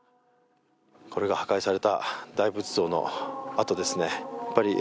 これが破壊された大仏像の跡ですね。